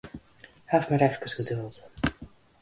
Haw mar efkes geduld.